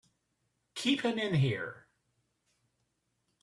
Keep him in here!